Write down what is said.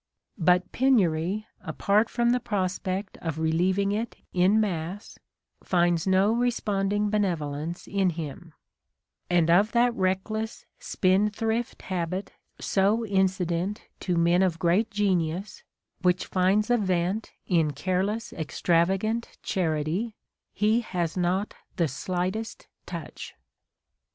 But penury, apart from the prospect of relieving it en masse, finds no res ponding benevolence in him : and of that reck less, spendthrift habit so incident to men of great genius, which finds a vent in careless, ex travagant charity, he has not the slightest touch.